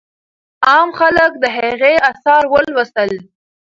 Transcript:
عام خلک د هغې آثار ولوستل.